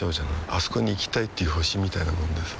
あそこに行きたいっていう星みたいなもんでさ